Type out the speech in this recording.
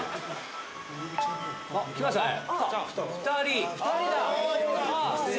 ２人。